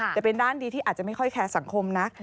แต่เป็นด้านดีที่อาจจะไม่ค่อยแคร์สังคมนะ